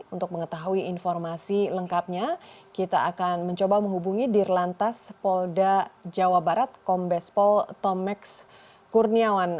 untuk mengetahui informasi lengkapnya kita akan mencoba menghubungi dirlantas polda jawa barat kombes pol tomeks kurniawan